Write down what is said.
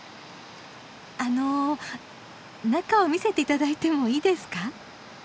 あの中を見せていただいてもいいですか？